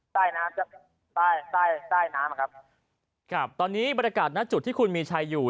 ใต้น้ำใต้ใต้ใต้น้ำนะครับครับตอนนี้บรรยากาศหน้าจุดที่คุณมีชัยอยู่